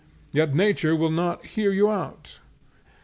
Yet nature will not bear you out.